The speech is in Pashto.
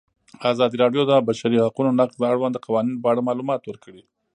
ازادي راډیو د د بشري حقونو نقض د اړونده قوانینو په اړه معلومات ورکړي.